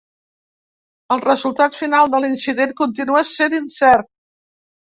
El resultat final de l'incident continua essent incert.